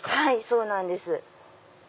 そうなんです。